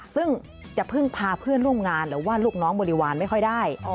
ซึ่งจะพึ่งพาเพื่อนร่วมงานหรือว่าลูกน้องบริวารไม่ค่อยได้